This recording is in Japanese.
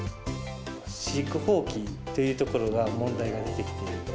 飼育放棄というところが問題が出てきていると。